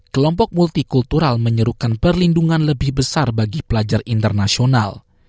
kelompok multikultural menyerukan perlindungan lebih besar bagi pelajar internasional